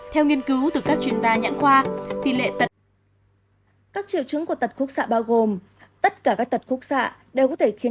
theo nghiên cứu từ các chuyên gia nhãn khoa tỷ lệ tật khúc xạ bao gồm